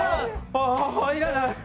ああはいらない。